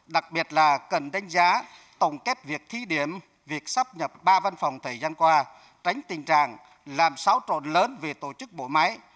đặc biệt là cần đánh giá tổng kết việc thí điểm việc sắp nhập ba văn phòng thời gian qua tránh tình trạng làm xáo trộn lớn về tổ chức bộ máy